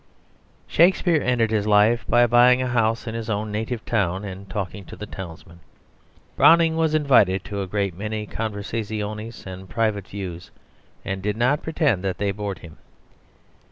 Shakespeare ended his life by buying a house in his own native town and talking to the townsmen. Browning was invited to a great many conversaziones and private views, and did not pretend that they bored him.